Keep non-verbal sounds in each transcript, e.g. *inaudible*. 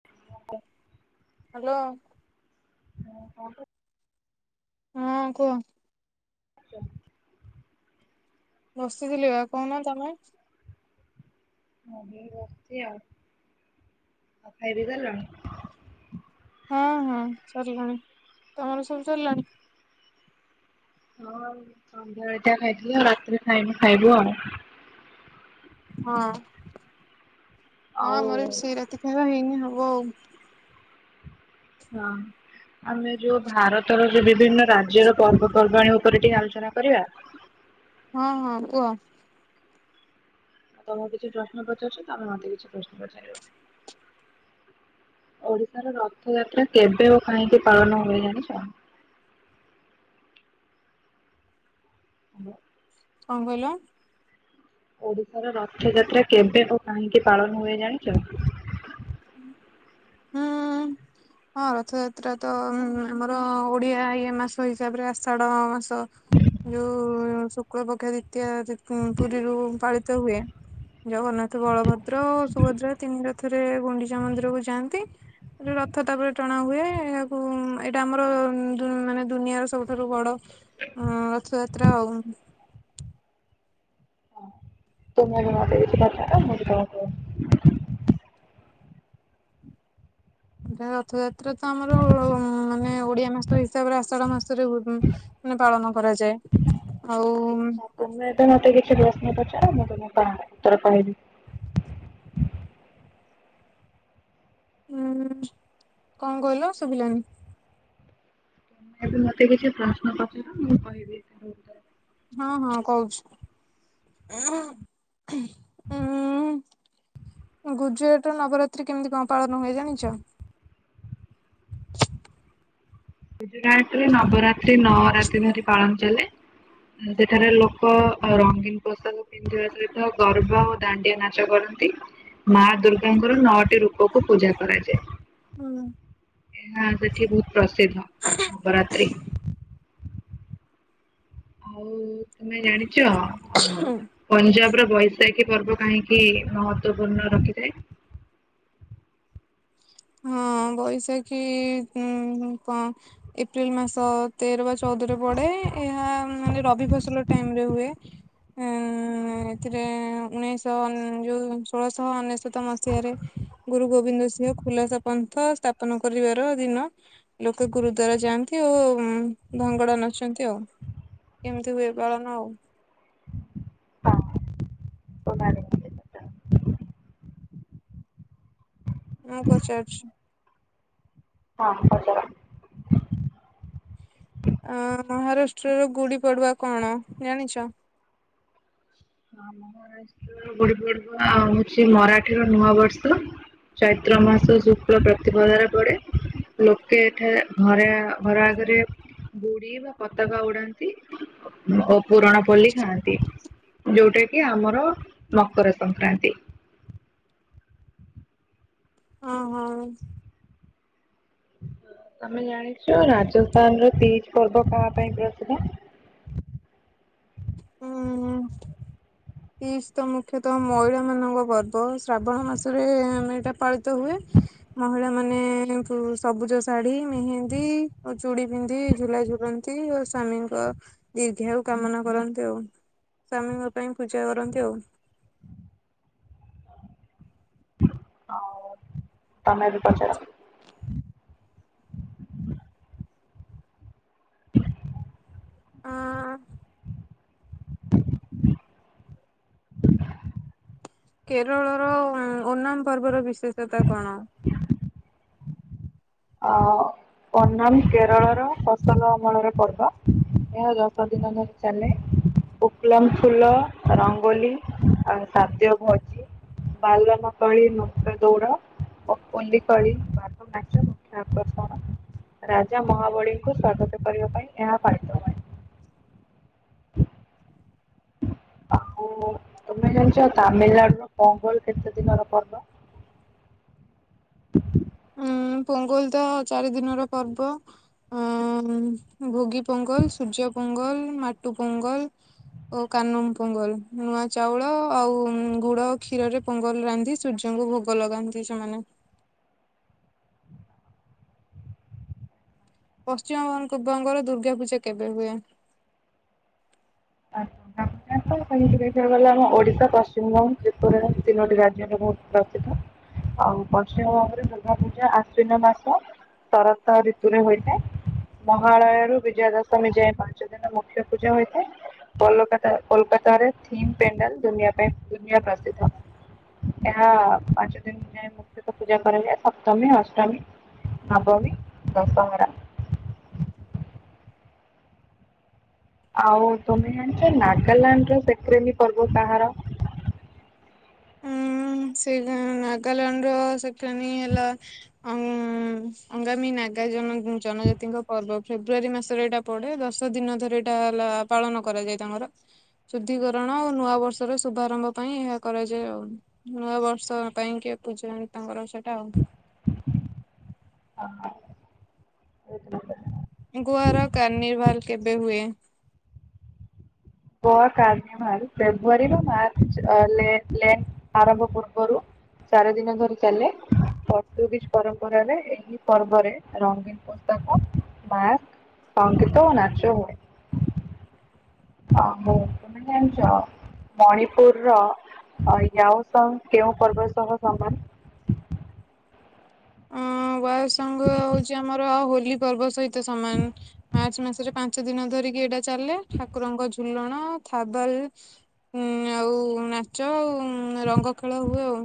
*inaudible* Hello ହଁ କଣ କରୁଚ? ହଁ କୁହ। *unintelligible* ବସିଥିଲି ବା, କହୁନା ତମେ ମୁଁ ବି ଏଇ ବସିଚି ଆଉ, ଆଉ ଖାଇ ପି ସାଇଲଣି? ହଁ ହଁ ସରିଲାଣି ତମର ସବୁ ସରିଲାଣି? ହଁ ସନ୍ଧ୍ୟାବେଳେ ଟା ଖାଇଥିଲୁ ଆଉ ରାତିରେ ଖାଇନୁ ଖାଇବୁ ଆଉ। ହଁ ହଁ ଆଉ ଆମର ବି ସେଇ ରାତି ଖାଇବା ହେଇନି ହବ ଆଉ। ହଁ ଆମେ ଯୋଉ ଭାରତର କି ବିଭିନ୍ନ ରାଜ୍ୟର ପର୍ବପର୍ବାଣୀ ଉପରେ ଟିକେ ଆଲୋଚନା କରିବା? ହଁ ହଁ କୁହ। ତମକୁ କିଛି ପ୍ରଶ୍ନ ପଚାରୁଚି ତମେ ମୋତ କିଛି ପ୍ରଶ୍ନ ପଚାରିବ। ଓଡିଶାର ରଥଯାତ୍ରା କେବେ ଓ କାହିଁକି ପାଳନ ହୁଏ ଜାଣିଚ? ହୁଁ। କଣ କହିଲ? ଓଡିଶାର ରଥଯାତ୍ରା କେବେ ଓ କାହିଁକି ପାଳନ ହୁଏ ଜାଣିଛ? ହଁ। ହଁ ରଥଯାତ୍ରା ତ ଆମର ଉଁ ଓଡିଆ ଇଏ ମାସ ହିସାବରେ ଆଷାଢ ମାସ। ଯୋଉ ଶୁକ୍ଳ ପକ୍ଷ ଦ୍ଵିତୀୟା ତି ପୁରୀରୁ ପାଳିତ ହୁଏ। ଜଗନ୍ନାଥ ବଳଭଦ୍ର ସୁଭଦ୍ରା ତିନି ରଥରେ ଗୁଣ୍ଡିଚା ମନ୍ଦିରକୁ ଯାଆନ୍ତି। ତିନି ରଥ ତାପରେ ଟଣା ହୁଏ ଏହାକୁ ଏଇଟା ଆମର ଦୁ ମାନେ ଦୁନିଆର ସବୁଠାରୁ ବଡ ହଁ ରଥଯାତ୍ରା ଆଉ ତୁମେ ଆଗ ମତେ କିଛି ପଚାର ମୁଁ ବି ତମକୁ ରଥଯାତ୍ରା ତ ଆମର ମାନେ ଓଡିଆ ମାସ ହିସାବରେ ଆଷାଢ ମାସରେ ହୁ ମାନେ ପାଳନ କରାଯାଏ ଆଉ ହଁ ତୁମେ ଏବେ ମତେ କିଛି ପ୍ରଶ୍ନ ପଚାର ମୁଁ ତମକୁ ତା ଉତ୍ତର କହବି? ହୁଁ କଣ କହିଲ ଶୁଭିଲାନି। ଏବେ ମତେ କିଛି ପ୍ରଶ୍ନ ପଚାର ମୁଁ କହିବି ତାର ଉତ୍ତର। ହଁ ହଁ କହୁଛି? ହୁଁ। ଗୁଜୁରାଟର ନବରାତ୍ରି କେମିତି କଣ ପାଳନ ହୁଏ ଜାଣିଚ? ଗୁଜୁରାଟରେ ନବରାତ୍ରି ନଅ ରାତି ଧରି ପାଳନ ଚାଲେ। ସେଠାରେ ଲୋକ ରଙ୍ଗୀନ ପୋଷାକ ପିନ୍ଧିବା ସହିତ ଗର୍ବ ଓ ଦାଣ୍ଡିଆ ନାଚ କରନ୍ତି। ମା ଦୁର୍ଗାଙ୍କର ନଅଟି ରୂପକୁ ପୂଜା କରାଯାଏ। ହୁଁ। ଏହା ସେଠି ବହୁତ ପ୍ରସିଦ୍ଧ। ନବରାତ୍ରି। ଆଉ ତୁମେ ଜାଣିଚ? ହୁଁ ପଞ୍ଜାବର ବୈଶାଖୀ ପର୍ବ କାହିଁକି ମହତ୍ଵପୂର୍ଣ୍ଣ ରଖିଥାଏ? ହଁ ବୈଶାଖୀ ହୁଁ କ ଏପ୍ରିଲ ମାସ ତେର ବା ଚଉଦରେ ପଡେ ଏହା ମାନେ ରବି ଫସଲ ଟାଇମରେ ହୁଏ। ଉ ଏଥିରେ ଉଣେଇଶହ ଯୋଉ ଷୋଳଶହ ଅନେଶତ ମସିହାରେ ଗୁରୁ ଗୋବିନ୍ଦ ସିଂହ ଖୁଲାସା ପନ୍ଥ ସ୍ଥାପନ କରିବାର ଦିନ ଲୋକେ ଗୁରୁ ଦ୍ୱାର ଯାଆନ୍ତି। ଓ ଭଙ୍ଗଡ଼ା ନାଚନ୍ତି ଆଉ ଏମିତି ହୁଏ ପାଳନ ଆଉ ହଁ ମୁଁ ଜାଣିଚି। ମୁଁ ପଚାରୁଛି? ହଁ ପଚାର। ଆଁ ମହାରାଷ୍ଟ୍ରର ଗୁଡି ପଡୁଆ କଣ ଜାଣିଛ? ମହାରାଷ୍ଟ୍ରର ଗୁଡ଼ି ପର୍ବ ହଉଛି ମରାଠୀର ନୂଆ ବର୍ଷ। ଚୈତ୍ର ମାସ ଶୁକ୍ଳ ପ୍ରତିପଦାରେ ପଡ଼େ। ଲୋକେ ଏଠାରେ ଘରେ ଘର ଆଗରେ ଗୁଡି ବା ପତାକା ଉଡାନ୍ତି। ଓ ପୁୁରଣ ପଲ୍ଲି ଖାଆନ୍ତି। ଯେକି ଆମର ମକର ସଂକ୍ରାନ୍ତି। ହଁ ହଁ। ତମେ ଜାଣିଛ ରାଜସ୍ଥାନର ତିଜ ପର୍ବ କଣ ପାଇଁ ପ୍ରସିଦ୍ଧ? ହୁଁ। ତିଶ ତ ମୁଖ୍ୟତଃ ମଇଳା ମାନଙ୍କ ପର୍ବ ଶ୍ରାବଣ ମାସରେ ଆମେ ଏଇଟା ପାଳିତ ହୁଏ। ମହିଳା ମାନେ ସବୁଜ ଶାଢୀ ମେହେନ୍ଦୀ ଚୁଡି ପିନ୍ଧି ଝୁଲା ଝୁଲ ତି ସ୍ଵାମୀଙ୍କ ଦୀର୍ଘାଉ କାମନା କରନ୍ତି ଆଉ ସ୍ଵାମୀଙ୍କ ପାଇଁ ପୂଜା କରନ୍ତି ଆଉ। ଆଉ ତମେ ବି ପଚାର? *inaudible* ଆଁ-ଆଁ କେରଳର ଓନାମ୍ ପର୍ବର ବିଶେଷତା କଣ? ଅ ଓନାମ୍ କେରଳର ଫସଲ ଅମଳର ପର୍ବ। ଏହା ଦଶ ଦିନ ଧରି ଚାଲେ। ଓକ୍ଲମ ଫୁଲ, ରଙ୍ଗୋଲି, ଆଉ ସାଦ୍ୟ ଭୋଜି ବାଲ ମା କଳି, ନଚ ଦଉଡ, ଓକଲି କଳି, ବାଘ ନାଚ *unintelligible* ରାଜା ମହାବଳୀଙ୍କୁ ସ୍ଵାଗତ କରିବା ପାଇଁ ଏହା ପାଳିତ। ଆଉ, ତମେ ଜାଣିଛ! ତାମିଲନାଡୁ ର ପୋଙ୍ଗୋଲ୍ କେତେ ଦିନର ପର୍ବ? *inaudible* ହଁ, ପୋଙ୍ଗଲ ତ ଚାରି ଦିନର ପର୍ବ। ଅଁ-ଅଁ ଭୋଗୀ ପୋଙ୍ଗ, ଲ ସୂର୍ଯ୍ୟ ପୋଙ୍ଗଲ, ମାଟୁ ପୋଙ୍ଗଲ। ଓ କାନୁମ୍ ପୋଙ୍ଗଲ ନୂଆ ଚାଉଳ, ଆଉ ଗୁଡ କ୍ଷୀରରେ ପୋଙ୍ଗଲ ରାନ୍ଧି, ସୂର୍ଯ୍ୟଙ୍କୁ ଭୋଗ ଲଗାନ୍ତି ସେମାନେ। ପଶ୍ଚିମାଙ୍କ ବଙ୍ଗର ଦୁର୍ଗା ପୂଜା କେବେ ହୁଏ? ଆଛା, ଗାମୁଛା! *unintelligible* ଦେଖିବାକୁ ଗଲେ ଆମ ଓଡିଶା, ପଶ୍ଚିମବଙ୍ଗ, ତ୍ରିପୁରା ତିନୋଟି ରାଜ୍ୟରେ ବହୁତ ପ୍ରସିଦ୍ଧ। ଆଉ, ପଶ୍ଚିମବଙ୍ଗରେ ଦୁର୍ଗା ପୂଜା ଆଶ୍ୱିନ ମାସ ଶରତ ଋତୁରେ ହୋଇଥାଏ। ମହାଳୟରୁ ବିଜୟା ଦଶମୀ ଯାଏଁ, ପାଞ୍ଚ ଦିନ ମୁଖ୍ୟ ପୂଜା ହୋଇଥାଏ। କୋଲକାତା, କୋଲକାତାରେ ଥିମ୍ ପେଣ୍ଡାଲ ଦୁନିଆ ପାଇଁ ଦୁନିଆ ପ୍ରସିଦ୍ଧ। ଏହା ପାଞ୍ଚ ଦିନ ଯାଏ ମୁଖ୍ୟତ ପୂଜା କରାଯାଏ, ସପ୍ତମୀ, ଅଷ୍ଟମୀ, ନବମୀ, ଦଶହରା। ଆଉ ତୁମେ ଜାଣିଛ, ନାଗାଲାଣ୍ଡ ର ସେକ୍ରନି ପର୍ବ କାହାର? ଉଁ ସେ ନାଗାଲାଣ୍ଡ ର ସେଖାନୀ ହେଲା ଅଁ ଅଙ୍ଗାମୀ ନାଗା ଜନ ଜନ ଜାତିଙ୍କ ପର୍ବ। ଫେବୃଆାରୀ ମାସରେ ଏଇଟା ପଡେ, ଦଶ ଦିନ ଧରେ ଏଇଟା ହେଲା ପାଳନ କରାଯାଏ ତାଙ୍କର। ଶୁଦ୍ଧିକରଣ ଓ ନୂଆ ବର୍ଷର ଶୁଭାରମ୍ଭ ପାଇଁ ଏହା କରାଯାଏ ଆଉ। ନୂଆ ବର୍ଷ ପାଇଁ କି, ଏ ପୂଜା ତାଙ୍କର ସେଟା ଆଉ। ହ ଅ। ଗୁଆର କାର୍ନିଭାଲ୍ କେବେ ହୁଏ? ଗୋଆ କାର୍ନିଭାଲ୍ ଫେବୃରୀରୁ ମାର୍ଚ୍ଚ ଲେ ଲେନ୍ ଆରମ୍ଭ ପୂର୍ବରୁ ଚାରି ଦିନ ଧରି ଚାଲେ, ପର୍ତୁଗିଜ ପରମ୍ପରାରେ, ଏହି ପର୍ବରେ ରଙ୍ଗୀନ୍ ପୋତାକା, ବାର୍କ ସଂଙ୍ଗୀତ ଓ ନାଚ ହୁଏ। ଏଲେନ୍ଞ୍ଚ। ମଣିପୁରର ୟସହ କେଉଁ ପର୍ବ ସହ ସମାନ? ଅଁ ବୟସଙ୍ଗ ହଉଛି, ଆମର ହୋଲି ପର୍ବ ସହିତ ସମାନ। ମାର୍ଚ୍ଚ ମାସରେ ପାଞ୍ଚ ଦିନ ଧରିକି ଏଇଟା ଚାଲେ, ଠାକୁରଙ୍କ ଝୁ ଝୁଲଣ, ଥାବାଲ୍, ଆଉ, ନାଚ ଆଉଁ ଉଁ ରଙ୍ଗ ଖେଳ ହୁଏ ଆଉ।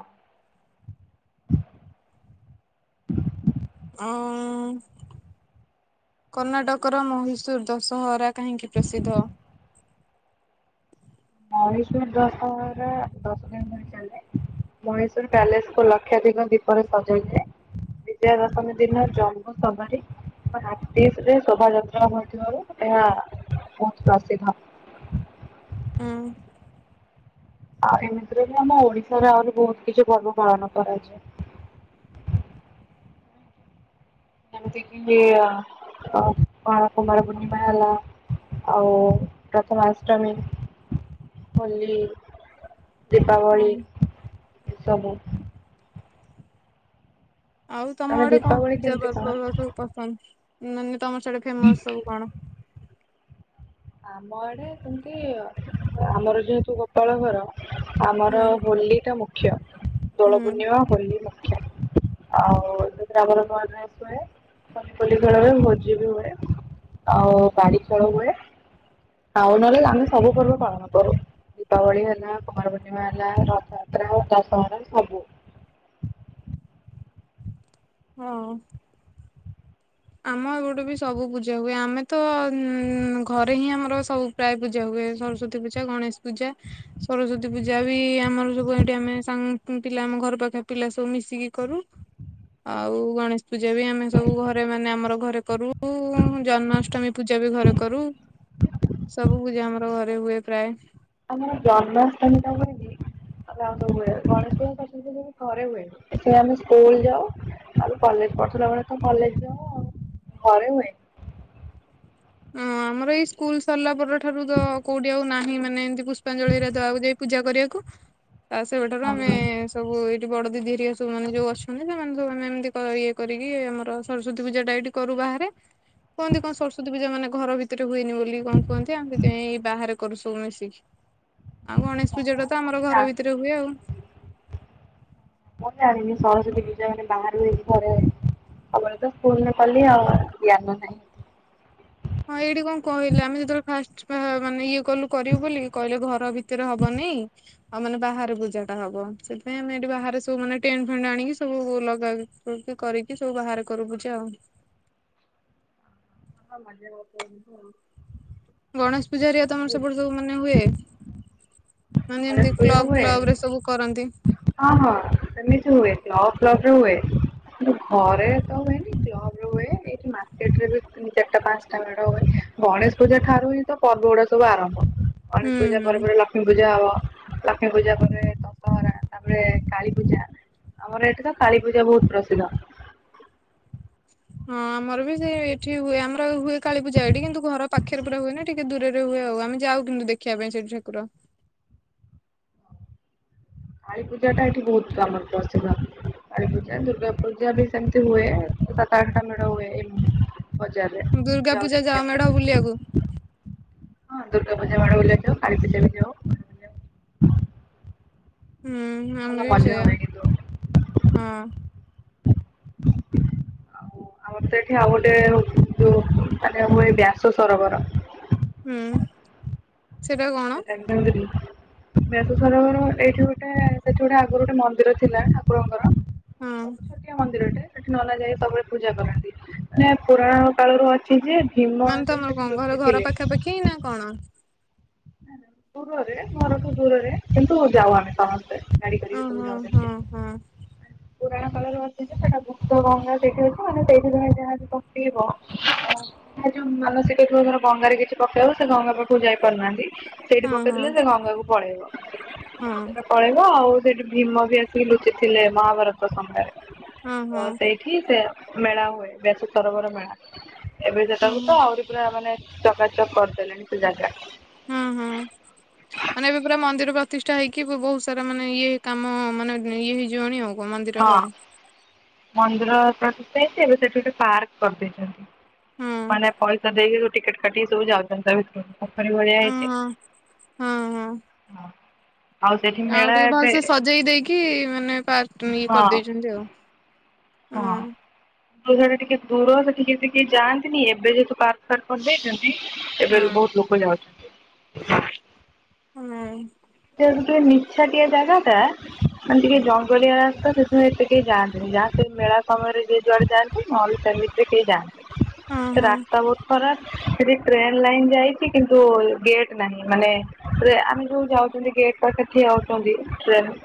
ହଁ ଆଉଁ କର୍ଣ୍ଣାଟକର ମହୀଶୂର୍ ଦଶହରା କାହିଁକି ପ୍ରସିଦ୍ଧ? ମହୀଶୂର୍ ଦଶହରା ଦଶ ଦିନ ପାଇଁ ଚାଲେ। ମହୀଶୂର୍ ପ୍ୟାଲେସ୍ କୁ ଲକ୍ଷାଧିକ ଦୀପରେ ସଜାଇଥାଏ। ବିଜୟା ଦଶମୀ ଦିନ ଜନ୍ମୁ ସବାରୀ ପାଟିସ୍ ରେ ଶୋଭାଯାତ୍ରା ହଉଥିବାରୁ ଏହା ବହୁତ ପ୍ରସିଦ୍ଧ। ଉଁ। ଆଉ, ଏମିତିରେ ବି ଆମ ଓଡିଶାରେ ଆଉରି ବହୁତ କିଛି ପର୍ବ ପାଳନ କରାଯାଏ। ଏମିତି କି ଆ ଅଁ କୁମାର ପୂର୍ଣମୀ ପୁର୍ଣିମା ହେଲା। ଆଉ ପ୍ରଥମାଷ୍ଟମୀ, ହୋଲି ଦୀପାବଳି ହୁଁ ଏସବୁ। ଆଉ ତମ ତମେ ଆଡେ କଣ ଦୀପାବଳି ପୂଜା କେମିତି କଣ ପର୍ବ ସବୁ ପସନ୍ଦ, ମାନେ ତମର ସିଆଡେ ଫେମସ ସବୁ କଣ? ଆମ ଆଡେ ସେମିତି ଆମର ଯେହେତୁ ଗୋପାଳ ଘର ଆମର ହୁଁ ହୋଲି ଟା ମୁଖ୍ୟ। ଦୋଳ ହୁଁ ପୂର୍ଣ୍ଣିମା ହୋଲି ମୁଖ୍ୟ ଆଉ ସେଥିରେ ଆମର ନୂଆ ଡ୍ରେସ୍ ହୁଏ। *unintelligible* ଖେଳ ହୁଏ ଭୋଜି ବି ହୁଏ। ଆଉ ବାଡି ଖେଳ ହୁଏ। ଆଉ ନହେଲେ ଆମେ ସବୁ ପର୍ବ ପାଳନ କରୁ। ଦୀପାବଳି ହେଲା କୁମାର ପୂର୍ଣ୍ଣିମା ହେଲା ରଥଯାତ୍ରା ଦଶହରା ସବୁ। ହଁ। ଆମ ଏପଟୁ ବି ସବୁ ପୂଜା ହୁଏ। ଆମେ ତ ଘରେ ହିଁ ଆମର ସବୁ ପ୍ରାୟ ପୂଜା ହୁଏ। ସରସ୍ଵତୀ ପୂଜା, ଗଣେଶ ପୂଜା ସରସ୍ଵତୀ ପୂଜା ବି ଆମର ସବୁ ଏଠି ଆମେ ସାଙ୍ଗ ପିଲା ଆମ ଘର ପାଖ ପିଲା ସବୁ ମିଶିକି କରୁ। ଆଉ ଗଣେଶ ପୂଜା ବି ଆମେ ସବୁ ଘର ମାନେ ଆମର ଘରେ କରୁ। ଜନ୍ମାଷ୍ଟମୀ ପୂଜା ବି ଘରେ କରୁ। ସବୁ ପୂଜା ଆମର ଘରେ ହୁଏ ପ୍ରାୟେ। ଆମର ଜନ୍ମଷ୍ଟମୀ ଟା ହୁଏନି। ନହେଲେ ଆଉ ସବୁ ହୁଏ। ଗଣେଶ ପୂଜା, ସରସ୍ୱତୀ ପୂଜା ବି ଘରେ ହୁଏ। ଏଥିରେ ଆମେ ସ୍କୁଲ୍ ଯାଉ। ଆଉ କଲେଜ୍ ପଢୁଥିଲା ବେଳେ ତ କଲେଜ୍ ଯାଉ ଆଉ। ଘରେ ହୁଏ। *unintelligible* ଆମର ଏଇ ସ୍କୁଲ୍ ସରିଲା ପର ଠାରୁ ତ କୋଉଠି ଆଉ ନାହିଁ ମାନେ ଏମିତି ପୁଷ୍ପାଞ୍ଜଳି ହେରିକା ଦେବାକୁ ଯାଇ ପୂଜା କରିବାକୁ। ତା ସେବେଠାରୁ ଆମେ ସବୁ ଏଇଠି ବଡ ଦିଦି ହେରିଆ ସବୁ ସେମାନେ ଯୋଉ ଅଛନ୍ତି ସେମାନେ ସବୁ ଆମେ ଏମିତି ଇଏ କରିକି ଆମର ସରସ୍ଵତୀ ପୂଜା ଟା ଏଇଠି କରୁ ବାହାରେ। କୁହନ୍ତି କଣ ସରସ୍ଵତୀ ପୂଜା ମାନେ ଘର ଭିତରେ ହୁଏନି ବୋଲି କଣ କୁହନ୍ତି। ଆମେ ସେଇଥିପାଇଁ ବାହାରେ କରୁ ସବୁ ମିଶିକି। ଆଉ ଗଣେଶ ପୂଜା ଟା ତ ଆମର ଘର ଭିତରେ ହୁଏ ଆଉ। ମୁଁ ଜାଣିନି ସରସ୍ଵତୀ ପୂଜା ମାନେ ବାହାରେ ହୁଏ କି ଘରେ ସବୁବେଳେ ତ ସ୍କୁଲ୍ ରେ କଲି ଆଉ, ଜ୍ଞାନ ନାହିଁ। ହଁ ଏଇଠି କଣ କହିଲେ ଆମେ ଯେତେବେଳେ ଫାଷ୍ଟ ମାନେ ଇଏ କଲୁ କରିବୁ ବୋଲି କହିଲେ ଘର ଭିତରେ ହବନି। ଆଉ ମାନେ ବାହାରେ ପୂଜା ଟା ହବ। ସେଇଥିପାଇଁ ଆମେ ଏଠି ବାହାରେ ସବୁ ମାନେ ଟେଣ୍ଟ ଫେଣ୍ଟ ଆଣିକି ସବୁ ଲଗା ଏମତି କରିକି ସବୁ ବାହାରେ କରୁ ପୂଜା ଆଉ। *unintelligible* ଗଣେଶ ପୂଜା ହେରିକା ତମର ସେପଟେ ସବୁ ମାନେ ହୁଏ? ମାନେ ଗଣେଶ ଯେମତି ପୂଜା କ୍ଲବ୍ ହୁଏ କ୍ଲବ୍ ରେ ସବୁ କରନ୍ତି। ହଁ ହଁ ସେମିତି ହୁଏ। କ୍ଲବ୍ କ୍ଲବ୍ ରେ ହୁଏ। ଘରେ ତ ହୁଏନି। କ୍ଲବ୍ ରେ ହୁଏ ଏଇଠି ମାର୍କେଟରେ ବି ତିନି ଚାରିଟା ପାଞ୍ଚଟା ମେଢ଼ ହୁଏ। ଗଣେଶ ପୂଜା ଠାରୁ ହିଁ ତ ପର୍ବ ଗୁଡା ସବୁ ଆରମ୍ଭ। ହୁଁ ଗଣେଶ ପୂଜା ହୁଁ। ପରେ ପରେ ଲକ୍ଷ୍ମୀ ପୂଜା ହବ। ଲକ୍ଷ୍ମୀ ପୂଜା ପରେ ଦଶହରା, ତାପରେ କାଳୀ ପୂଜା। ଆମର ଏଠି ତ କାଳୀପୂଜା ବହୁତ୍ ପ୍ରସିଦ୍ଧ। ହଁ ଆମର ବି ସେ ଏଠି ହୁଏ ଆମର ହୁଏ କାଳୀ ପୂଜା। ଏଠି କିନ୍ତୁ ଘର ପାଖରେ ପୁରା ହୁଏନି। ଟିକେ ଦୂରରେ ହୁଏ ଆଉ। ଆମେ ଯାଉ କିନ୍ତୁ ଦେଖିବା ପାଇଁ ସେଠି ଠାକୁର। କାଳୀପୂଜା ଟା ଏଇଠି ବହୁତ୍ ଆମର ପ୍ରସିଦ୍ଧ। କାଳୀପୂଜା, ଦୁର୍ଗା ପୂଜା ବି ସେମତି ହୁଏ। ସାତ ଆଠଟା ମେଢ ହୁଏ ଏମତି ବଜାରରେ ଦୁର୍ଗା ଯାଉ ପୂଜା ମେଢ ବୁଲିବାକୁ ଦେଖିବାକୁ। ହଁ ଦୁର୍ଗା ପୂଜା ମେଢ଼ ବୁଲିବାକୁ ଯାଉ। କାଳୀ ପୂଜା ବି ଯାଉ। ହୁଁ ଭଲ ଆମେ ବି ମଜା ସେଇୟା। ହୁଏ କିନ୍ତୁ ହଁ। *inaudible* ଆମର ତ ଏଠି ଗୋଟେ ଯୋଉ ମାନେ ହୁଏ ବ୍ୟାସ ସରୋବର। ହୁଁ ସେଟା କଣ? *unintelligible* ବେସସରବର ଏଇଠି ଗୋଟେ ସେଠି ଗୋଟେ ଆଗରୁ ଗୋଟେ ମନ୍ଦିର ଥିଲା ଠାକୁରଙ୍କର। ହଁ ସବୁ ଛୋଟିଆ ମନ୍ଦିର ଟେ, ସେଠି ନନା ଯାଇଁ ସବୁବେଳେ ପୂଜା କରନ୍ତି, ମାନେ ପୁରାଣ କାଳରୁ ଅ ଯେ ଭୀମ ଯାଇଁ ସେଠି ଲୁଚିଥିଲେ। କି ନା କଣ? ଦୂରରେ ଘରଠୁ ଦୂରରେ କିନ୍ତୁ ଯାଉ ଆମେ ସମସ୍ତେ। ଗାଡ଼ି କରିକି ସବୁ ଓହୋ ହଁ ଯାଉଛନ୍ତି। ହଁ ପୁରାଣ କାଳରେ ବସିଚି ସେଟା ଗୁପ୍ତ ଗଙ୍ଗା ସେଇଠି ଅଛି ମାନେ ସେଇଠି ତମେ ଯାହା ସହିତ *inaudible* ଅଧା ଯୋଉ ମାନସିକ ଥିବ ଧର ଗଙ୍ଗାରେ କିଛି ପକେଇବ, ସେ ଗଙ୍ଗା ପାଖକୁ ଯାଇ ପାରୁନାହାନ୍ତି। ସେଇଠି ହଁ ହଁ ପକେଇଦେଲେ ସେ ଗଙ୍ଗାକୁ ପଳେଇବ, ହଁ ସେଟା ପଳେଇବ ଆଉ ସେଠି ଭିମ ବି ଆସିକି ଲୁଚି ଥିଲେ ମହାଭାରତ ସମୟରେ, ହଁ ତ ହଁ ସେଇ ଠିକ୍ ସେ ମେଳା ହୁଏ ବ୍ୟାସ ସରୋବର ମେଳା ଏବେ ହଁ ସେଟାକୁ ତ ଆହୁରି ପୁରା ମାନେ ଚକାଚକ୍ କରିଦେଲେଣି ସେ ଜାଗା। ହୁଁ, ହୁଁ ମାନେ ଏବେ ପୁରା ମନ୍ଦିର ପ୍ରତିଷ୍ଠା ହେଇକି ବହୁ ସାରା ମାନେ ଇଏ କାମ ମାନେ ଇଏ ହେଇଯିବଣି ଆଉ। କଣ ମନ୍ଦିରର ହଁ ମନ୍ଦିର ପ୍ରତିଷ୍ଠା ହେଇଚି ଏବେ ସେଠି ଗୋଟେ ପାର୍କ କରିଦେଇଚନ୍ତି। ମାନେ ପଇସା ଦେଇ ଟିକେଟ କାଟିକି ସବୁ ଯାଉଚନ୍ତି ତା ଭିତରକୁ, ପୋଖରୀ ଭଳିଆ ହଁ ହେଇଚି। ହଁ ହଁ ହଁ ଆଉ ସେଠି ମେଳା ଏବେ କି ମାନେ ପାଟ୍ ଇଏ ହଁ କରିଦେଇଚନ୍ତି ଆଉ। ହଁ ସେଟା ଟିକେ ଦୂର ସେ ଟିକେ ଯାଆନ୍ତିନି ଏବେ, ଯେହେତୁ ପାର୍କ ଫାର୍କ କରିଦେଇଛନ୍ତି ଏବେ ହଁ ବହୁତ୍ ଲୋକ ଯାଉଛନ୍ତି। ହୁଁ ସେ ଗୋଟେ ନିଛା ଟିଆ ଜାଗାଟା ମାନେ ଟିକେ ଜଙ୍ଗଲିଆ ରାସ୍ତା ସେଥିପାଇଁ ଏତେ କେହି ଯାଆନ୍ତିନି, ଯାହା ସେଇ ମେଳା ସମୟରେ ଯି ଯୁଆଡ଼େ ଯାଆନ୍ତି ନହେଲେ ସେମତିରେ କେହି ଯାଆନ୍ତିନି, ହଁ ସେ ହଁ ରାସ୍ତା ବହୁତ୍ ଖରାପ, ସେଠି ଟ୍ରେନ ଲାଇନ୍ ଯାଇଛି କିନ୍ତୁ ଗେଟ୍ ନାହିଁ ମାନେ ଆମେ ଯୋଉ ଯାଉଛନ୍ତି ଗେଟ ପାଖ ରେ ଠିଆ ହୋଉଛନ୍ତି ଟ୍ରେନ।